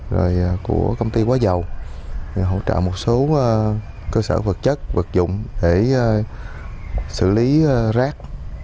rồi của công ty quá giàu hỗ trợ một số cơ sở vật chất vật dụng để xử lý rác